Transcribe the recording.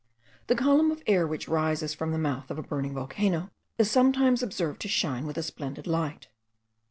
The column of air which rises from the mouth of a burning volcano* is sometimes observed to shine with a splendid light.